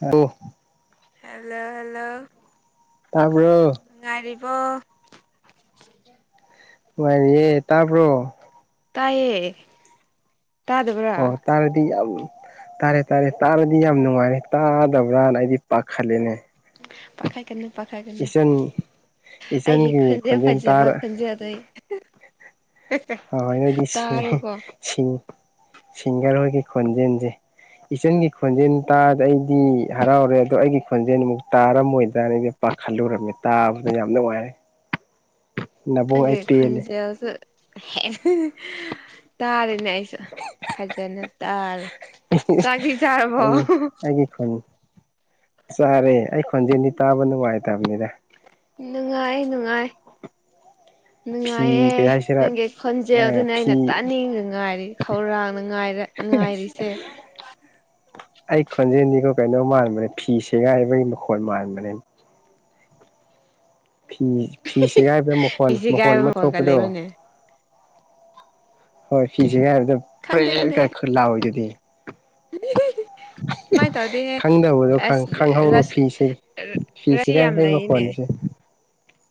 ꯑ hello hello ꯇꯥꯕꯔꯣ ꯑꯣ ꯅꯨꯡꯉꯥꯢꯔꯤꯌꯦ ꯇꯥꯕ꯭ꯔꯣ ꯇꯥꯢꯌꯦ ꯑꯣ ꯇꯥꯔꯗꯤ ꯇꯥꯔꯦ ꯇꯥꯔꯦ ꯇꯥꯔꯗꯤ ꯌꯥꯝ ꯅꯨꯡꯉꯥꯏꯔꯦ ꯇꯥꯗꯕ꯭ꯔꯥꯅ ꯑꯩꯗꯤ ꯄꯥꯈꯠꯂꯦꯅꯦ ꯄꯥꯈꯠꯀꯅꯨ ꯄꯈꯠꯀꯅꯨ ꯏꯆꯟ ꯑꯩꯒꯤ ꯏꯆꯟꯒꯤ ꯈꯣꯟꯖꯦꯜ ꯐꯖꯕ ꯇꯥꯔ ꯈꯨꯟꯖꯦ ꯑꯗꯩ ꯍꯣꯏꯅꯗꯤ ꯁꯤ ꯁꯤ ꯁꯤꯒꯔꯍꯣꯢꯒꯤ ꯈꯣꯟꯖꯦꯟꯁꯦ ꯏꯆꯟꯒꯤ ꯈꯣꯟꯖꯦꯜ ꯇꯥꯗ ꯑꯩꯗꯤ ꯍꯔꯥꯎꯔꯦ ꯑꯗꯣ ꯑꯩꯒꯤ ꯈꯣꯟꯖꯦꯜꯃꯨꯛ ꯇꯥꯔꯝꯃꯣꯏꯗ꯭ꯔꯥꯅ ꯑꯩꯗꯤ ꯈꯜꯂꯨꯔꯝꯃꯦ ꯇꯥꯕꯗ ꯌꯥꯝ ꯅꯨꯡꯉꯥꯏꯔꯦ ꯑ ꯅꯕꯨꯡ ꯑꯩꯒꯤ ꯑꯩ ꯄꯦꯜꯂꯦ ꯈꯣꯟꯖꯦꯜꯁꯦ ꯑꯦ ꯍꯦ ꯇꯥꯔꯦꯅꯦ ꯑꯩꯁꯨ ꯐꯖꯅ ꯇꯥꯔꯦ ꯆꯥꯛꯇꯤ ꯆꯥꯔꯕꯣ ꯑꯩ ꯑꯩꯒꯤ ꯈꯣꯟ ꯆꯥꯔꯦ ꯑꯩ ꯈꯣꯟꯖꯦꯜꯗꯤ ꯇꯥꯕ ꯅꯨꯡꯉꯥꯏꯇꯕꯅꯤꯗ ꯅꯨꯡꯉꯥꯏ ꯅꯨꯡꯉꯥꯏ ꯐꯤ ꯅꯨꯡꯉꯥꯏꯌꯦ ꯀꯩ ꯍꯥꯏꯁꯤꯔꯥ ꯅꯪꯒꯤ ꯈꯣꯟꯖꯦꯜꯗꯨꯅꯦ ꯑꯩꯅ ꯐꯤ ꯇꯥꯅꯤꯡꯕ ꯉꯥꯏꯔꯤ ꯈꯧꯔꯥꯡꯅ ꯉꯥꯏꯔꯦ ꯉꯥꯏꯔꯤꯁꯦ ꯑꯩ ꯈꯣꯟꯖꯦꯜꯗꯤꯀꯣ ꯀꯩꯅꯣ ꯃꯥꯟꯕꯅꯦ ꯐꯤ ꯁꯦꯒꯥꯏꯕꯒꯤ ꯃꯈꯣꯟ ꯃꯥꯟꯕꯅꯦ ꯐꯤ ꯐꯤꯁꯦꯒꯥꯏꯕ ꯃꯈꯣꯟ ꯏꯁꯤ ꯃꯈꯣꯟ ꯀꯥꯏꯕ ꯑꯃ ꯃꯈꯣꯟꯒ ꯊꯣꯛꯄꯗꯣ ꯂꯩꯕꯅꯦ ꯍꯣꯏ ꯐꯤ ꯁꯤꯒꯥꯏꯕꯗ ꯄꯔꯦ ꯀ ꯈꯔ ꯂꯥꯎꯑꯣꯏꯗꯨꯗꯤ ꯍꯍꯍ [inaudible] ꯈꯪꯗꯕꯗꯣ ꯑꯁ ꯈꯪꯍꯧꯔꯣ ꯔꯁ ꯐꯤꯁꯦ ꯐꯤꯁ ꯔꯁꯤ ꯀꯥꯏ ꯌꯥꯝ ꯐꯩ ꯂꯩꯌꯦꯅꯦ ꯃꯈꯣꯟꯁꯦ [inaudible]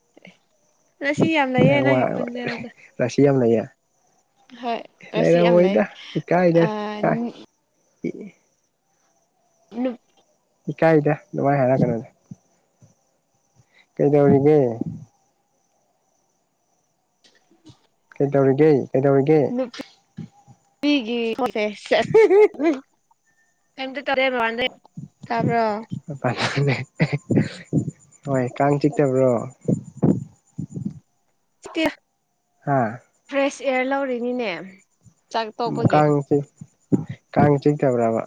ꯔꯁꯤ ꯌꯥꯝ ꯂꯩꯌꯦ ꯋꯥ ꯅꯪꯒꯤ ꯋꯥ ꯈꯣꯟꯖꯦꯜꯗ ꯔꯤꯁꯤ ꯌꯥꯝ ꯂꯩ ꯍꯣꯏ ꯔꯁꯤ ꯌꯥꯝ ꯂꯩ ꯂꯩꯔꯝꯃꯣꯢꯗ ꯏꯀꯥꯏꯗ ꯑꯥ ꯏ ꯏ ꯅꯨꯞ ꯏꯀꯥꯏꯗ ꯅꯨꯡꯉꯥꯏ ꯍꯥꯏꯔꯛꯒꯅꯨꯗ ꯀꯩꯗꯧꯔꯤꯒꯦ [inaudible] ꯀꯩꯗꯧꯔꯤꯒꯦ ꯀꯩꯗꯧꯔꯤꯒꯦ ꯍꯤꯒꯤ ꯇꯔꯦ ꯇꯥꯄ꯭ꯔ ꯍꯣꯏ ꯀꯥꯡ ꯆꯤꯛꯇꯕ꯭ꯔꯣ ꯁꯤꯇꯦ ꯍꯥ ꯑꯦꯌꯔ ꯂꯧꯔꯤꯅꯤꯅꯦ ꯆꯥꯛ ꯎ ꯇꯣꯛꯄꯒꯤ ꯀꯥꯡ ꯆ ꯀꯥꯡ ꯆꯤꯛꯇꯕ꯭ꯔꯕ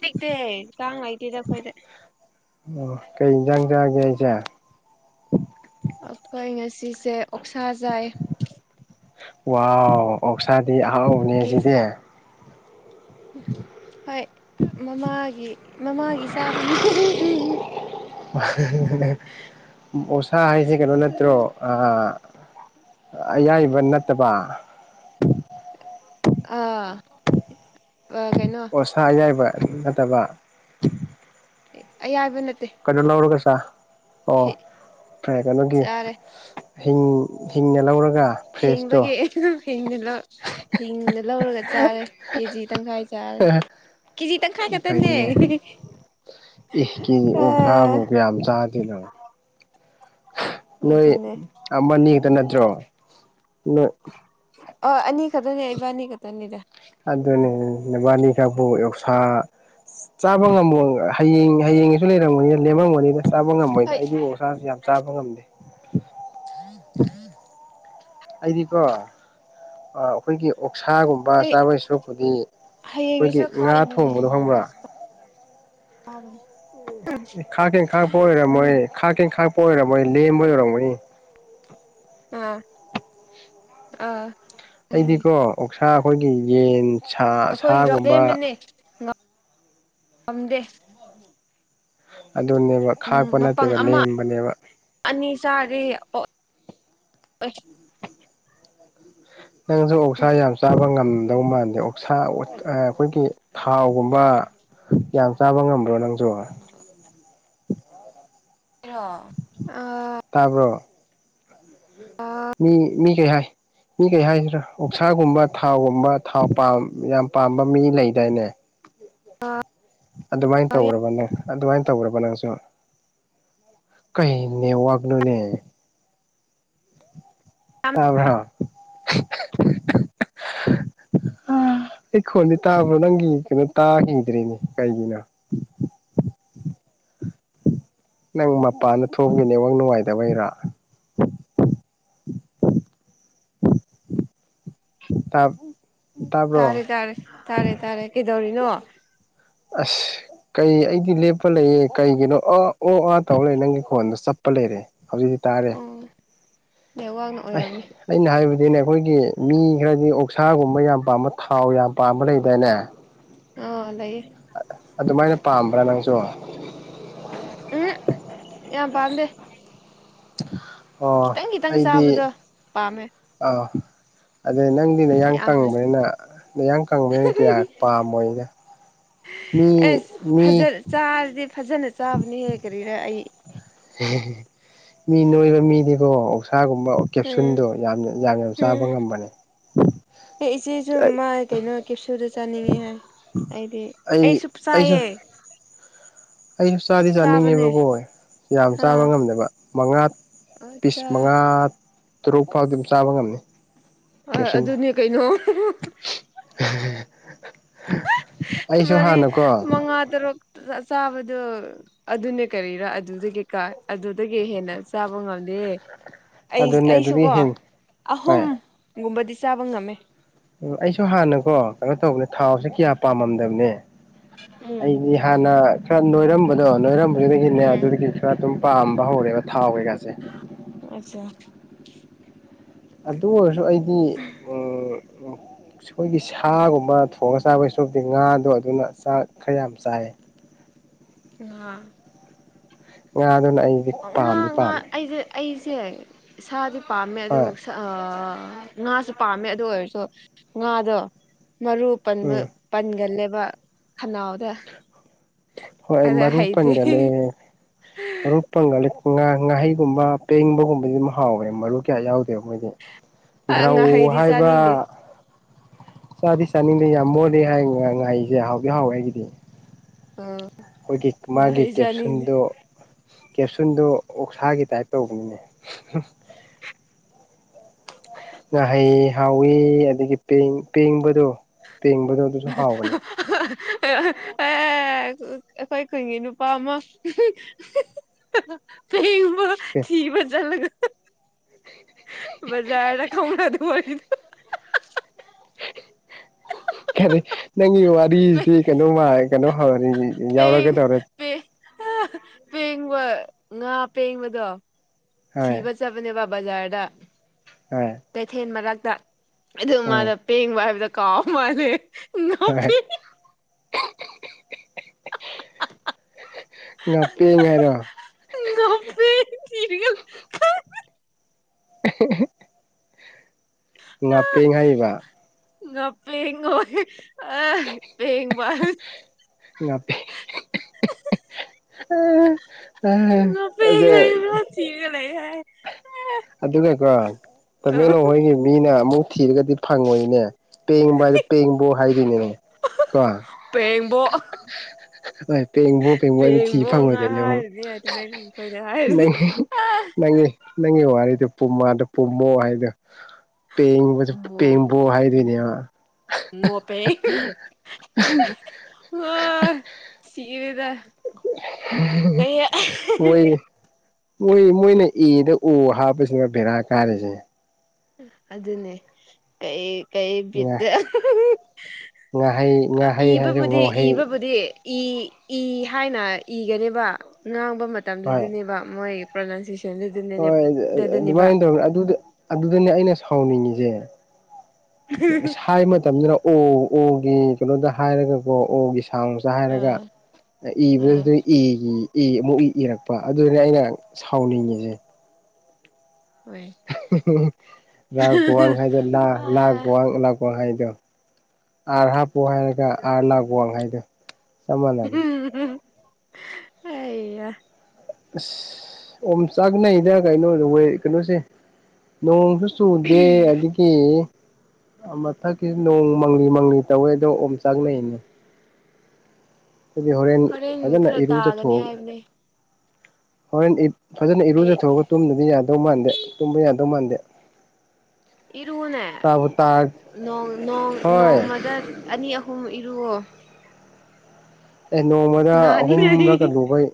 ꯁꯤꯛꯇꯦ ꯀꯥꯡ ꯂꯩꯇꯦꯗ ꯑꯩꯈꯣꯏꯗ ꯄꯖꯒꯦꯖ ꯁꯤꯁꯦ ꯑꯣꯛꯁꯥꯖꯥꯏ ꯋꯥ ꯑꯣꯛꯁꯥꯗꯤ ꯑꯍꯥꯎꯕꯅꯦ ꯁꯤꯗꯤ ꯎꯝ ꯍꯣꯏ ꯃꯃꯥꯒꯤ ꯃꯃꯥꯒꯤ ꯆꯥꯕꯅꯦ ꯑꯣꯁꯥ ꯍꯥꯏꯁꯦ ꯀꯩꯅꯣ ꯅꯠꯇ꯭ꯔꯣ ꯑꯌꯥꯏꯕ ꯅꯠꯇꯕ ꯑꯥ ꯀꯩꯅꯣ ꯑꯣꯁ ꯌꯥꯏꯕ ꯅꯠꯇꯕ ꯑꯦ ꯑꯩꯌꯥ ꯍꯥꯏꯕ ꯅꯠꯇꯦ ꯀꯩꯅꯣ ꯂꯧꯔꯒ ꯁꯥꯥ ꯑꯣ ꯐꯔꯦ ꯀꯩꯅꯣꯒꯤ ꯆꯥꯔꯦ ꯍꯤꯡ ꯍꯤꯡꯅ ꯂꯧꯔꯒ ꯐ꯭ꯔꯦꯁꯇꯣ ꯍꯤꯡꯗ ꯂꯧꯔꯒ ꯆꯥꯔꯦ ꯀꯦꯖꯤ ꯇꯪꯈꯥꯏ ꯆꯥꯔꯦ ꯀꯖꯤ ꯇꯪ ꯈꯥꯏ ꯈꯦ ꯇꯅꯤ ꯐꯩꯅꯦ ꯑꯦ ꯀꯦꯖꯤ ꯑꯣ ꯁꯥꯥꯕ ꯑꯣ ꯀ ꯌꯥꯝ ꯆꯥꯗꯦꯅ ꯅꯣꯏ ꯑꯗꯨꯅꯦ ꯑꯃꯅꯦꯛꯇ ꯅꯠꯇ꯭ꯔꯣ ꯅꯣꯏ ꯑ ꯑꯅꯤ ꯈꯛꯇꯅꯦ ꯏꯕꯥ ꯑꯅꯤ ꯈꯛꯇꯅꯤꯗ ꯑꯗꯨꯅꯤ ꯅꯦꯕꯥꯂꯤꯒꯕꯨ ꯌꯧꯁꯥ ꯆꯥꯕ ꯉꯝꯃꯣꯏ ꯍꯌꯦꯡ ꯍꯌꯦꯡꯁꯨ ꯂꯩꯔꯝꯒꯅꯤꯅ ꯂꯦꯝꯔꯝꯒꯅꯤꯅ ꯆꯥꯕ ꯉꯝꯃꯣꯏꯅꯦ ꯍꯣꯏ ꯑꯩꯗꯤ ꯑꯣꯁꯁꯤ ꯌꯥꯝ ꯆꯥꯕ ꯉꯝꯗꯦ ꯑꯩꯗꯤꯀꯣ ꯑꯩꯈꯣꯏꯒꯤ ꯑꯣꯛꯁꯥꯒꯨꯝꯕ ꯆꯥꯕꯣꯏ ꯁꯔꯨꯛꯄꯨꯗꯤ ꯑꯩꯈꯣꯏꯒꯤ ꯍꯌꯦꯡꯁꯤꯁꯨ ꯉꯥ ꯈꯥꯛꯏꯅꯤꯅꯦ ꯊꯣꯡꯕꯗꯣ ꯈꯪꯕ꯭ꯔꯥ ꯍꯌꯦꯡꯁꯤ ꯈꯥ ꯀꯦꯡ ꯈꯥꯛꯄ ꯑꯣꯏꯔꯝꯃꯣꯏ ꯈꯥ ꯀꯦꯡ ꯈꯥꯡꯄ ꯑꯣꯏꯔꯝꯃꯣꯏ ꯂꯦꯝꯕ ꯌꯣꯏꯔꯝꯃꯅꯤ ꯑꯥ ꯑꯥ ꯑꯩꯗꯤꯀꯣ ꯑꯣꯛꯁꯥ ꯑꯩꯈꯣꯏꯒꯤ ꯌꯦꯟ ꯁꯥ ꯁꯥꯒꯨꯝꯕ ꯐꯝꯗꯦ ꯑꯗꯨꯅꯦꯕ ꯈꯥꯛꯄ ꯅꯠꯇꯦꯕ ꯂꯦꯝꯕꯅꯦꯕ ꯆꯔꯦ ꯅꯪꯁꯨ ꯑꯣꯛꯁꯥ ꯌꯥꯝ ꯆꯥꯕ ꯉꯝꯗꯧ ꯃꯥꯟꯗꯦ ꯑꯣꯛꯁꯥ ꯑꯩꯈꯣꯏꯒꯤ ꯊꯥꯎꯒꯨꯝꯕ ꯌꯥꯝ ꯆꯥꯕ ꯉꯝꯕ꯭ꯔꯣ ꯅꯪꯁꯨ ꯑ ꯇꯥꯕ꯭ꯔꯣ ꯃꯤ ꯃꯤ ꯀꯩ ꯍꯥꯏ ꯃꯤ ꯀꯩ ꯍꯥꯏꯁꯤꯔꯥ ꯑꯣꯞꯁꯥꯒꯨꯝꯕ ꯊꯥꯎꯒꯨꯝꯕ ꯊꯥꯎ ꯌꯥꯝ ꯄꯥꯝꯕ ꯃꯤ ꯂꯩꯗꯥꯏꯅꯦ ꯑꯗꯨꯃꯥꯏꯅ ꯇꯧꯔꯕꯅꯦ ꯑꯗꯨꯃꯥꯏꯅ ꯇꯧꯔꯕ ꯅꯪꯁꯨ ꯀꯩ ꯅꯦꯋꯥꯛꯛꯅꯣꯅꯦ ꯇꯥꯕꯣ ꯑꯩ ꯈꯣꯟꯗꯤ ꯇꯥꯕ꯭ꯔꯣ ꯅꯪꯒꯤ ꯀꯩꯅꯣ ꯇꯥꯈꯤꯗ꯭ꯔꯦꯅꯦ ꯀꯩꯒꯤꯅꯣ ꯅꯪ ꯃꯄꯥꯟꯗ ꯊꯣꯡꯈꯤꯅꯦꯉꯪ ꯅꯨꯡꯉꯥꯏꯇꯕ ꯍꯩꯔꯥ ꯇꯥ ꯇꯥꯔꯦ ꯇꯥꯔꯦ ꯇꯥꯔꯦ ꯇꯥꯔꯦ ꯀꯩꯗꯧꯔꯤꯅꯣ ꯑꯁ ꯀꯩ ꯑꯩꯗꯤ ꯂꯦꯞꯄ ꯂꯩꯌꯦ ꯀꯩꯒꯤꯅꯣ ꯑ ꯑꯣ ꯑꯥ ꯇꯧ ꯂꯩꯦ ꯅꯪꯒꯤ ꯐꯣꯟꯗ ꯆꯄ ꯄ ꯂꯩꯔꯦ ꯍꯧꯖꯤꯛꯇꯤ ꯇꯥꯔꯦ ꯎꯝ ꯅꯦꯠꯋꯥꯛꯅ ꯑ ꯑꯣꯏꯔꯝꯅꯤ ꯑꯩꯅ ꯍꯥꯏꯕꯗꯤꯅꯦ ꯑꯩꯈꯣꯏꯒꯤ ꯃꯤ ꯈꯔꯗꯤ ꯑꯣ ꯁꯥꯒꯨꯝꯕ ꯌꯥꯝ ꯄꯥꯝꯕ ꯊꯥꯎ ꯌꯥꯝ ꯄꯥꯝꯕ ꯂꯩꯗꯥꯏꯅꯦ ꯑꯗ ꯑꯗꯨꯃꯥꯏꯅ ꯄꯥꯝꯕ꯭ꯔꯥ ꯅꯪꯁꯨ ꯎꯝ ꯌꯥꯝ ꯄꯥꯝꯗꯦ ꯑꯣ ꯈꯤꯇꯪ ꯈꯤꯇꯪ ꯑꯩꯗꯤ ꯆꯥꯕꯗꯣ ꯄꯥꯝꯃꯦ ꯑꯥ ꯑꯗꯩ ꯅꯪꯗꯤ ꯅꯌꯥꯡ ꯌꯥꯝꯅ ꯀꯪꯕꯅꯤꯅ ꯅꯌꯥꯡ ꯀꯪꯕꯅꯤꯅ ꯀꯌꯥ ꯄꯥꯝꯃꯣꯏꯩꯅ ꯑꯦꯁ ꯆꯥꯔꯗꯤ ꯐꯖꯅ ꯆꯥꯕꯅꯦꯍꯦ ꯀꯔꯤꯔ ꯑꯩ ꯃꯤ ꯅꯣꯏꯕ ꯃꯤꯗꯤꯀꯣ ꯈꯒꯨꯝꯕ ꯎꯝ ꯀꯦꯞꯁꯨꯟꯗꯣ ꯌꯥꯝꯅ ꯌꯥꯝꯅ ꯆꯥꯕ ꯎꯝ ꯉꯝꯕꯅꯦ ꯑꯦ ꯏꯆꯦꯁꯨ ꯃꯥ ꯀꯩꯅꯣ ꯀꯦꯞꯁꯨꯗ ꯆꯥꯅꯤꯡꯉꯦ ꯍꯥꯏ ꯑꯩꯗꯤ ꯑꯩ ꯁ ꯆꯥꯏꯌꯦ ꯑꯩꯁꯨ ꯆꯥꯗꯤ ꯆꯥꯕꯅꯦ ꯆꯥꯅꯤꯡꯉꯦꯕꯀꯣ ꯌꯥꯝ ꯆꯥꯕ ꯑꯥ ꯉꯝꯗꯕ ꯃꯉꯥ ꯄꯤꯁ ꯑꯠꯆꯥ ꯃꯉꯥ ꯇꯔꯨꯛ ꯐꯥꯎꯗꯤ ꯑꯗꯨꯝ ꯆꯥꯕ ꯉꯝꯅꯤ ꯑ ꯀꯦꯞꯁꯨꯟꯗꯣ ꯑꯗꯨꯅꯦ ꯀꯩꯅꯣ [inaudible] ꯑꯩꯁꯨ ꯃꯔꯤ ꯍꯥꯟꯅꯀꯣ ꯃꯉꯥ ꯇꯔꯨꯛ ꯆꯥꯕꯗꯣ ꯑꯗꯨꯅꯦ ꯀꯔꯤꯔꯥ ꯑꯗꯨꯗꯒꯤ ꯀꯥꯏ ꯑꯗꯨꯗꯒꯤ ꯍꯦꯟꯅ ꯆꯥꯕ ꯉꯝꯗꯦ ꯑꯦ ꯑꯩ ꯑꯗꯨꯅꯦ ꯑꯗꯨꯗꯤ ꯑꯩꯁꯨꯀꯣ ꯍꯦꯟ ꯍꯣꯏ ꯑꯍꯨꯝꯒꯨꯝꯕꯗꯤ ꯆꯥꯕ ꯉꯝꯃꯦ ꯎꯝ ꯑꯩꯁꯨ ꯍꯥꯟꯅꯀꯣ ꯀꯩꯅꯣ ꯇꯧꯕꯅꯦ ꯊꯥꯎꯁꯦ ꯎꯝ ꯀꯌꯥ ꯄꯥꯝꯃꯝꯗꯕꯅꯦ ꯎꯝ ꯑꯩꯗꯤ ꯍꯥꯟꯅ ꯈꯔ ꯅꯣꯏꯔꯝꯕꯗꯣ ꯅꯣꯏꯔꯝ ꯑꯗꯨꯗꯒꯤꯅꯦ ꯎꯝ ꯑꯗꯨꯗꯒꯤ ꯈꯔ ꯑꯗꯨꯝ ꯄꯥꯝꯕ ꯍꯧꯔꯦꯕ ꯊꯥꯎ ꯀꯩꯀꯥꯁꯦ ꯑꯆꯥ ꯑꯗꯨ ꯑꯣꯏꯔꯁꯨ ꯑꯩꯗꯤ ꯑꯝ ꯑꯁ ꯑꯩꯈꯣꯏꯒꯤ ꯁꯥꯒꯨꯝꯕ ꯊꯣꯡꯉꯒ ꯆꯥꯕꯒꯤ ꯁ꯭ꯔꯨꯛꯇꯤ ꯉꯥꯗꯣ ꯑꯗꯨꯅ ꯆꯥꯛ ꯈꯔ ꯌꯥꯝ ꯆꯥꯏꯌꯦ [inaudible] ꯉꯥ ꯉꯥ ꯑꯗꯨꯅ ꯑꯩꯗꯤ ꯄꯥꯝꯗꯤ ꯄꯥꯝꯃꯦ ꯁꯦ ꯁꯥꯗꯤ ꯄꯥꯝꯃꯦ ꯍꯣꯏ ꯑꯗꯨꯕꯨ ꯁꯥ ꯑ ꯉꯥꯁꯨ ꯄꯥꯝꯃꯦ ꯑꯗꯨ ꯑꯣꯏꯔꯁꯨ ꯉꯥꯗꯣ ꯃꯔꯨ ꯄꯟꯕ ꯎꯝ ꯄꯟꯒꯜꯂꯦꯕ ꯕ ꯈꯟꯅꯥꯎ ꯗ ꯍꯣꯏ ꯑꯩ ꯃꯔꯨ ꯄꯟꯒꯅꯦ ꯃꯔꯨ ꯄꯟꯒꯜꯂꯦ ꯉꯥ ꯉꯥꯍꯩꯒꯨꯝꯕ ꯄꯦꯡꯕꯒꯨꯝꯕꯗꯤ ꯑꯗꯨꯝ ꯍꯥꯎꯋꯦ ꯃꯔꯨ ꯀꯌꯥ ꯌꯥꯎꯗꯦ ꯃꯣꯏꯗꯤ ꯗ꯭ꯔꯧ ꯉꯥꯍꯩꯗꯤ ꯍꯥꯏꯕ ꯆꯥꯅꯤꯡꯗꯦ ꯆꯥꯗꯤ ꯆꯥꯅꯤꯡꯗꯦ ꯌꯥꯝ ꯃꯣꯠꯂꯤ ꯍꯥꯏ ꯉꯥ ꯉꯥꯍꯩꯁꯦ ꯍꯥꯎ ꯍꯥꯎꯗꯤ ꯍꯥꯎꯋꯦ ꯑꯩꯒꯤꯗꯤ ꯑꯝ ꯑꯩꯈꯣꯏꯒꯤ ꯃꯥꯒꯤ ꯀꯦꯞꯁꯨꯟꯗꯣ ꯀꯦꯞꯁꯨꯟꯗꯣ ꯑꯣꯛꯁꯥꯒꯤ ꯇꯥꯏꯞ ꯇꯧꯕꯅꯤꯅꯦ ꯉꯥꯍꯩ ꯍꯥꯎꯋꯤ ꯑꯗꯒꯤ ꯄꯦꯡ ꯄꯦꯡꯕꯗꯣ ꯄꯦꯡꯕꯗꯣ ꯑꯗꯨꯁꯨ ꯍꯥꯎꯕꯅꯦ [unintelligible] ꯑꯦ ꯑꯩꯈꯣꯏ ꯈꯨꯟꯒꯤ ꯅꯨꯄꯥ ꯑꯃ ꯆꯍꯤ ꯊꯤꯕ ꯆꯠꯂꯒ ꯕꯖꯥꯔꯗ ꯈꯪꯕ꯭ꯔꯥ ꯑꯗꯨꯋꯥꯏꯗꯣ ꯀꯔꯤ ꯅꯪꯒꯤ ꯋꯥꯔꯤꯁꯤꯗꯤ ꯀꯩꯅꯣꯃꯥꯏ ꯀꯩꯅꯣ [unintelligible] ꯄꯦꯡ ꯌꯥꯎꯔꯒꯗꯧꯔ ꯄꯦꯡ ꯄꯦꯡꯕ ꯉꯥ ꯄꯦꯡꯕꯗꯣ ꯍꯣꯏ ꯊꯤꯕ ꯆꯠꯄꯅꯦꯕ ꯕꯖꯥꯔꯗ ꯍꯣꯏ ꯀꯩꯊꯦꯜ ꯃꯔꯛꯇ ꯑꯗꯨꯒ ꯎꯝ ꯃꯥꯗꯨ ꯄꯦꯡꯕ ꯍꯥꯏꯕꯗꯣ ꯀꯥꯎ ꯃꯥꯜꯂꯦ ꯍꯣꯏ ꯉꯥꯄꯤ [inaudible] ꯉꯥꯄꯦꯡ ꯍꯥꯏꯔꯣ ꯉꯥꯄꯤ [unintelligible] ꯑꯍꯦꯍꯦ ꯉꯥꯄꯦꯡ ꯍꯥꯏꯔꯤꯕ ꯉꯥꯄꯦꯡ ꯍꯣꯏ ꯑ ꯄꯦꯡꯕꯥ ꯉꯥꯄꯦ ꯑ ꯉꯥꯄꯦꯡ ꯑꯗꯥ ꯂꯩꯕ꯭ꯔꯥ ꯊꯤꯔꯒ ꯂꯩ ꯍꯥꯏꯌꯦ ꯑꯗꯨꯒꯀꯣ ꯇꯃꯦꯡꯂꯣꯡ ꯍꯣꯏꯒꯤ ꯃꯤꯅ ꯑꯃꯨꯛ ꯊꯤꯔꯒꯗꯤ ꯐꯪꯉꯣꯏꯅꯦ ꯄꯦꯡꯕ ꯍꯥꯏꯗ ꯄꯦꯡꯕꯣ ꯍꯥꯏꯗꯣꯏꯅꯦ ꯀꯣ ꯄꯦꯡꯕꯣ ꯍꯣꯏ ꯄꯦꯡꯕꯣ ꯄꯦꯡꯕꯣ ꯍꯥꯢꯅ ꯊꯤ ꯉꯥ ꯐꯪꯉꯣꯏꯗꯣꯏꯅꯦ ꯑꯃꯨꯛ ꯍꯥꯏꯔꯤꯅꯦ ꯇꯃꯦꯡꯂꯣꯡ ꯈꯣꯏꯗ ꯍꯥꯏꯔꯗꯤ ꯅꯪ ꯑ ꯅꯪ ꯅꯪ ꯋꯥꯉꯥꯡ ꯑꯩꯗꯣ ꯄꯨꯃꯥꯗ ꯄꯨꯝꯃꯣ ꯍꯥꯏꯗꯣ ꯄꯦꯡꯕ ꯄꯦꯡꯕꯣ ꯍꯥꯏꯗꯣꯏꯅꯦꯕ ꯃꯣꯄꯦ ꯑ ꯑ ꯁꯤꯔꯦꯗ ꯑꯩ ꯑꯣꯈꯣꯏ ꯃꯣꯏ ꯃꯣꯏꯅ ꯏꯔꯤꯗꯨ ꯎ ꯍꯥꯞꯄꯁꯤꯅ ꯕꯦꯔꯥ ꯀꯥꯔꯤꯁꯦ ꯑꯗꯨꯅꯦ ꯀꯩ ꯀꯩ ꯉꯥ ꯕꯤꯠꯇ ꯉꯥꯍꯩ ꯉꯥꯍꯩ ꯍꯥꯏꯔ ꯉꯣꯍꯩ ꯏꯕꯕꯨꯗꯤ-ꯏꯕꯕꯨꯗꯤ ꯏ ꯏ ꯍꯥꯏꯅ ꯏꯒꯅꯦꯕ ꯉꯥꯡꯕ ꯍꯣꯏ ꯃꯇꯝꯗꯨꯗꯅꯦꯕ ꯃꯣꯏ ꯄ꯭ꯔꯣꯅꯥꯎꯟꯁꯦꯁꯟ ꯍꯣꯏ ꯑꯗꯨꯃꯥꯏꯅ ꯇꯧꯅꯦ ꯑꯗꯨꯗ ꯑꯗꯨꯗꯅꯦ ꯑꯩꯅ ꯁꯥꯎꯅꯤꯡꯉꯤꯁꯦ ꯍꯥꯏ ꯃꯇꯝꯗꯅ ꯑꯣ ꯑꯣꯒꯤ ꯀꯩꯅꯣꯗ ꯍꯥꯏꯔꯒꯀꯣ ꯑꯣꯒꯤ ꯁꯥꯎꯁ ꯑ ꯍꯥꯏꯔꯒ ꯎꯝ ꯏꯕꯁꯤꯗ ꯏꯒꯤ ꯏ ꯑꯃꯨꯛ ꯏ ꯏꯔꯛꯄ ꯑꯗꯨꯅꯦ ꯑꯩꯅ ꯁꯥꯎꯅꯤꯡꯉꯤꯁꯦ ꯍꯣꯏ ꯍ ꯍ ꯔ ꯋꯥꯡ ꯍꯥꯏꯗ ꯂꯥ ꯂꯥ ꯑ ꯋꯥꯡ ꯂꯥꯡ ꯋꯥ ꯋꯥꯡꯈꯥꯏꯗ ꯑ ꯍꯥꯞꯄ ꯍꯥꯏꯔꯒ ꯑ ꯂꯅꯥꯒ ꯋꯥꯡꯈꯥꯏꯗ ꯍ ꯍ ꯍ ꯑꯩꯌꯥ ꯑꯁ ꯑꯣꯝ ꯆꯥꯛꯅꯩꯗ ꯀꯩꯅꯣꯗ ꯀꯩꯅꯣꯁꯦ ꯅꯣꯡꯁꯨ ꯆꯨꯗꯦ ꯑꯗꯒꯤ ꯃꯊꯛꯀꯤ ꯅꯣꯡ ꯃꯪꯂꯤ ꯃꯪꯂꯤ ꯇꯧꯋꯦ ꯑꯗꯣ ꯑꯣꯝ ꯆꯥꯛꯅꯩꯅꯦ ꯑꯗꯨꯗꯤ ꯍꯣꯔꯦꯟ ꯐꯖꯅ ꯈꯔ ꯇꯥꯒꯅꯤ ꯏꯔꯨꯖꯠꯊꯣꯛꯑꯒ ꯍꯥꯏꯕꯅꯦ ꯍꯣꯔꯦꯟ ꯐꯖꯅ ꯑꯩ ꯏꯔꯨꯖꯊꯣꯛꯑꯒ ꯇꯨꯝꯗꯗꯤ ꯌꯥꯗꯦ ꯗꯧ ꯃꯥꯟꯗꯦ ꯇꯨꯝꯕ ꯌꯥꯗꯧ ꯃꯥꯟꯗꯦ ꯏꯔꯨꯅꯦ ꯇꯥꯕꯨ ꯇꯥꯔ ꯅꯣꯡ ꯅꯣꯡ ꯍꯣꯏ ꯅꯣꯡꯃꯗ ꯑꯅꯤ ꯑꯍꯨꯝ ꯔꯨꯑꯣ ꯑꯦ ꯅꯣꯡꯃꯗ ꯑꯍꯨꯝꯂꯒ ꯅꯥꯅꯤꯉꯥꯏ ꯂꯨꯕꯩ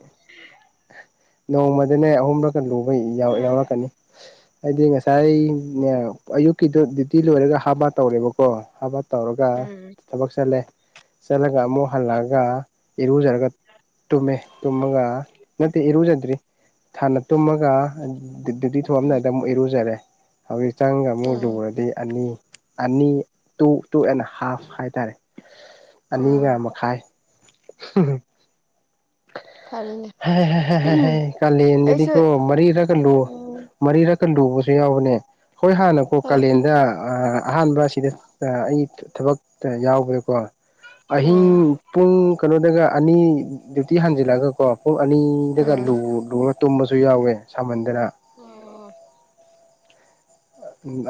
ꯅꯣꯡꯃꯗꯅꯦ ꯑꯍꯨꯝꯂꯒ ꯂꯨ ꯑꯩ ꯌꯥꯎ ꯎꯝ ꯌꯥꯎꯔꯛꯀꯅꯤ ꯍꯥꯏꯗꯤ ꯉꯁꯥꯏꯅꯦ ꯑꯌꯨꯛꯀꯤꯗꯨ ꯗ꯭ꯌꯨꯇꯤ ꯂꯣꯏꯔꯒ ꯍꯥꯕꯥ ꯇꯧꯔꯦꯕꯀꯣ ꯍꯥꯕꯥ ꯇꯧꯔꯒ ꯎꯝ ꯊꯕꯛ ꯆꯠꯂꯦ ꯆꯠꯂꯒ ꯑꯃꯨꯛ ꯍꯜꯂꯛꯑꯒ ꯏꯔꯨꯖꯔꯒ ꯇꯨꯝꯃꯦ ꯇꯨꯝꯃꯒ ꯅꯠꯇꯦ ꯏꯔꯨꯖꯗ꯭ꯔꯤ ꯍꯥꯟꯅ ꯇꯨꯝꯃꯒ ꯗꯇꯤ ꯎꯝ ꯊꯝꯗꯥꯏꯗ ꯑꯃꯨꯛ ꯏꯔꯨꯖꯔꯦ ꯍꯧꯖꯤꯛ ꯆꯪꯒ ꯑꯃꯨꯛ ꯎꯝ ꯂꯨꯔꯗꯤ ꯑꯅꯤ ꯑꯅꯤ ꯇꯨ ꯇꯨ ꯑꯦꯟ ꯍꯥꯐ ꯍꯥꯏꯇꯥꯔꯦ ꯑꯅꯤꯒ ꯎꯝ ꯃꯈꯥꯏ ꯍ ꯍ ꯐꯔꯦ ꯍ ꯍ ꯍ ꯍꯌꯦꯡ ꯑꯩꯁꯨ ꯀꯥꯂꯦꯟꯗꯗꯨꯀꯣ ꯃꯔꯤꯔꯒꯂꯨ ꯎꯝ ꯃꯔꯤꯔ ꯀꯟ ꯂꯨꯕꯁꯨ ꯌꯥꯎꯕꯅꯦ ꯍꯣꯏ ꯍꯥꯟꯅꯀꯣ ꯍꯣꯏ ꯀꯥꯂꯦꯟꯗ ꯑꯍꯥꯟꯕ ꯁꯤꯗ ꯑꯩ ꯊꯕꯛ ꯌꯥꯎꯕꯗꯀꯣ ꯑꯍꯤꯡ ꯎꯝ ꯄꯨꯡ ꯀꯩꯅꯣꯗꯒ ꯑꯅꯤ ꯗꯨꯌꯨꯇꯤ ꯍꯟꯖꯤꯜꯂꯛꯑꯒꯀꯣ ꯄꯨꯡ ꯎꯝ ꯑꯅꯤꯗꯒꯨꯔꯨꯝꯕꯁꯨ ꯁꯨ ꯌꯥꯎꯋꯦ ꯁꯥꯃꯟ ꯑꯣ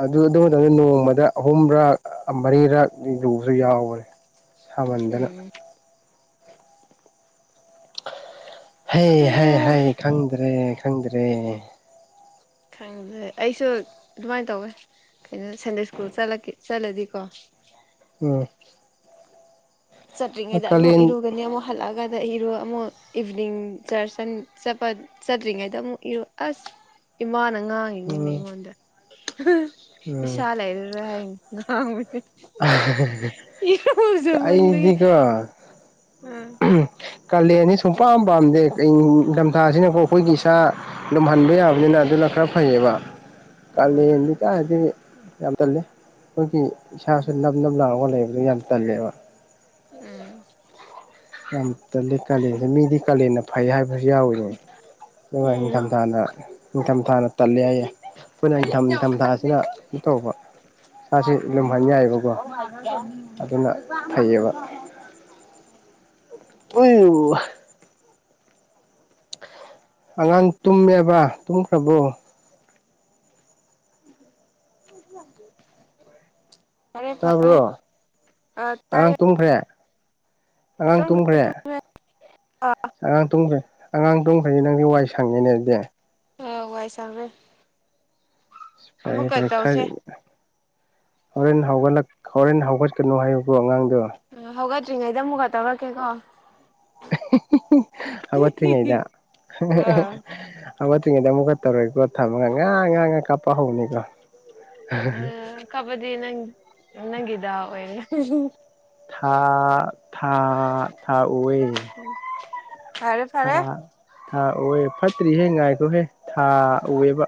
ꯑꯗꯨ ꯃꯇꯝꯗ ꯅꯣꯡꯃꯗ ꯑꯍꯨꯝꯔꯥꯛ ꯃꯔꯤꯔꯛ ꯂꯨꯕꯁꯨ ꯌꯥꯎꯕꯅꯦ ꯁꯥꯃꯟꯗꯅ ꯎꯝ ꯍꯩ ꯍꯥꯏ ꯍꯥꯏ ꯈꯪꯗ꯭ꯔꯦ ꯈꯪꯗ꯭ꯔꯦ ꯈꯪꯗꯦ ꯑꯩꯁꯨ ꯑꯗꯨꯃꯥꯏꯅ ꯇꯧꯋꯦ ꯀꯩꯅꯣ ꯁꯟꯗꯦ ꯁ꯭ꯀꯨꯜ ꯆꯠꯂꯗꯤꯀꯣ ꯎꯝ ꯆꯠꯇ꯭ꯔꯤꯉꯩꯗ ꯑꯃꯨꯛ ꯀꯥꯂꯦꯟ ꯏꯔꯨꯒꯅꯤ ꯑꯃꯨꯛ ꯍꯜꯂꯛꯑꯒ ꯑꯩꯗꯣ ꯏꯔꯣ ꯑꯃꯨꯛ ꯏꯚꯤꯅꯤꯡ ꯆꯔꯁꯟ ꯆꯠꯄ ꯆꯠꯇ꯭ꯔꯤꯉꯩꯗ ꯑꯃꯨꯛ ꯏꯔꯣ ꯑꯁ ꯏꯃꯥꯅꯥ ꯉꯥꯡꯉꯤꯅꯤꯅꯦ ꯎꯝ ꯑꯩꯉꯣꯟꯗ ꯎꯝ ꯏꯁꯥ ꯂꯩꯔꯔꯣꯏ ꯍꯥꯏꯔ ꯉꯥꯡꯕꯅꯤ ꯑ ꯍ ꯏꯔꯨꯖꯃꯟꯕꯒꯤ ꯑꯩꯏꯗꯤꯀꯣ ꯎꯝ ꯀꯥꯂꯦꯟꯅꯤ ꯁꯨꯡ ꯄꯝ ꯄꯥꯝꯗꯦꯊꯝꯊꯥꯁꯤꯅꯀꯣ ꯑꯩꯈꯣꯏꯒꯤ ꯁꯥ ꯂꯨꯝꯍꯟꯕ ꯌꯥꯕꯅꯤꯅ ꯑꯗꯨ ꯇ ꯈ꯭ꯔ ꯐꯩꯉꯦꯕ ꯎꯝ ꯀꯥꯂꯦꯟ ꯂꯩ ꯀꯥꯏꯗꯩ ꯌꯥꯝ ꯇꯜꯂꯦ ꯑꯩꯈꯣꯏꯒꯤ ꯏꯁꯥꯁꯨ ꯎꯝ ꯅꯞ ꯅꯞ ꯂꯥꯛꯒ ꯂꯩꯕ ꯑꯗꯨ ꯌꯥꯝ ꯇꯜꯂꯦꯕ ꯎꯝ ꯌꯥꯝ ꯇꯜꯂꯦ ꯀꯥꯂꯦꯟꯁꯦ ꯃꯤꯗꯤ ꯀꯥꯂꯦꯅ ꯐꯩ ꯍꯥꯏꯕꯁꯨ ꯌꯥꯎꯋꯦ ꯑꯗꯨꯒ ꯏ ꯎꯝ ꯅꯤꯡꯊꯝꯊꯥꯗ ꯅꯤꯡꯊꯝꯊꯥꯅ ꯇꯠꯂꯦ ꯍꯥꯏꯌꯦ ꯑꯩꯈꯣꯏꯅ ꯌꯥꯝ ꯅꯤꯡꯊꯝ ꯊꯥꯁꯤꯅ ꯀꯩꯅꯣ ꯇꯧꯕ ꯃꯥꯁꯤ ꯂꯨꯝꯍꯟ ꯌꯥꯏꯑꯕꯀꯣ ꯑꯗꯨꯅ ꯐꯩꯌꯦꯕ [inaudible] ꯎꯩꯕꯨ ꯑꯉꯥꯡ ꯇꯨꯝꯃꯦꯕ ꯇꯨꯝꯈ꯭ꯔꯕꯣ [unintelligible] ꯐꯔꯦ ꯇꯥꯕ꯭ꯔꯣ ꯑ ꯑꯉꯥꯡ ꯇꯥꯏꯌꯦ ꯇꯨꯝꯈ꯭ꯔꯦ ꯑꯉꯥꯡ ꯇꯨꯝꯈ꯭ꯔꯣ ꯇꯨꯝꯈ꯭ꯔꯦ ꯇꯨꯝꯈ꯭ꯔꯣ ꯑꯉꯥꯡ ꯇꯨꯝꯈ꯭ꯔꯦ ꯑꯉꯥꯡ ꯇꯨꯝꯈ꯭ꯔꯦ ꯅꯪꯒꯤ ꯋꯥꯏꯁ ꯁꯪꯉꯦꯅꯦ ꯅꯗꯨꯗꯤ ꯑ ꯋꯥꯏꯁꯪ ꯔꯦ ꯐꯔꯦ ꯐꯔꯦ ꯈꯔ ꯍꯣꯔꯦꯟ ꯍꯧꯒꯠꯂꯛ ꯍꯣꯔꯦꯟ ꯍꯧꯒꯠꯀꯅꯨ ꯍꯥꯏꯌꯨꯀꯣ ꯑꯉꯥꯡ ꯍꯧꯒꯠꯇ꯭ꯔꯤꯉꯩꯗ ꯑꯃꯨꯛꯀ ꯇꯧꯔꯛꯀꯦꯀꯣ ꯍꯧꯒꯠꯇꯔꯤꯉꯩꯗ ꯑꯥ ꯇꯔꯤꯉꯩꯗ ꯑꯃꯨꯛꯀ ꯇꯧꯔꯣꯏꯀꯣ ꯊꯝꯃꯒ ꯉꯥ ꯉꯥ ꯉꯥꯥꯛ ꯀꯥꯞꯄ ꯍꯧꯅꯤꯀꯣ ꯑ ꯀꯞꯄꯗꯤ ꯅꯪ ꯅꯪꯒꯤ ꯗꯦꯎ ꯑꯣꯏꯔꯦ ꯊꯥ ꯊꯥ ꯊꯥꯥ ꯎꯋꯦ ꯐꯔꯦ ꯐꯔꯦ ꯊꯥ ꯎꯑꯦ ꯐꯠꯇ꯭ꯔꯤꯍꯦ ꯉꯥꯏꯈꯣꯍꯦ ꯊꯥ ꯎꯑꯦꯕ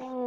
ꯎꯝ